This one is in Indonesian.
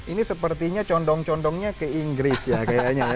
ini sepertinya condong condongnya ke inggris ya kayaknya ya